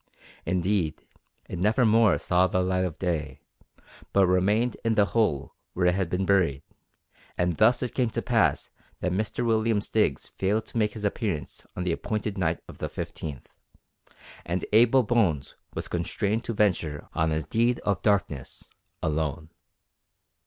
Indeed, it never more saw the light of day, but remained in the hole where it had been buried, and thus it came to pass that Mr William Stiggs failed to make his appearance on the appointed night of the 15th, and Abel Bones was constrained to venture on his deed of darkness alone.